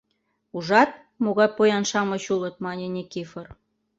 — Ужат, могай поян-шамыч улыт, — мане Никифор.